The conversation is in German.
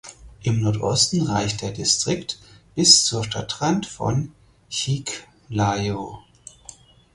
Im Nordosten reicht der Distrikt bis zur Stadtrand von Chiclayo.